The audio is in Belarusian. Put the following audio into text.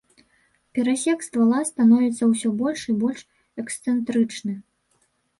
Перасек ствала становіцца ўсё больш і больш эксцэнтрычны.